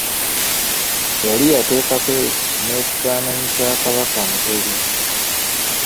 Yali yateekako n’ekifaananyi kya Kabaka Mutebi.